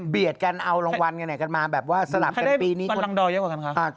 เบียดกันเอารางวัลกันไหนกันมาแบบว่าสลับกันปีนี้ใครได้บันลังดอเยอะกว่ากันครับ